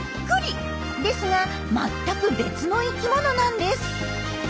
ですが全く別の生きものなんです。